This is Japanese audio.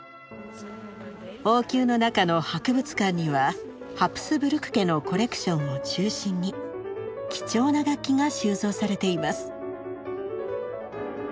王宮の中の博物館にはハプスブルク家のコレクションを中心に貴重な楽器が収蔵されています。